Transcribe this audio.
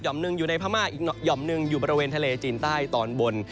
หนึ่งอยู่ในพม่าอีกหย่อมหนึ่งอยู่บริเวณทะเลจีนใต้ตอนบน